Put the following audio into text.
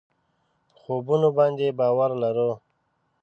په خوبونو باندې باور لرو.